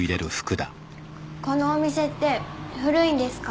このお店って古いんですか？